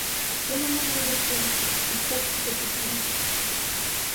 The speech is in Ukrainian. Я немов недочув, а в серці закипіло.